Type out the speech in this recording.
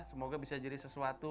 semoga bisa jadi sesuatu